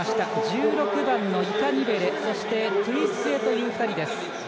１６番のイカニベレトゥイスエという２人です。